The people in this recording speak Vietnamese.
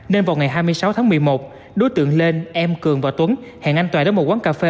nên vào ngày hai mươi sáu tháng một mươi một đối tượng lên em cường và tuấn hẹn anh tòa đến một quán cà phê